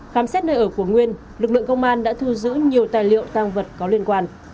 khám xét nơi ở của nguyên lực lượng công an đã thu giữ nhiều tài liệu tăng vật có liên quan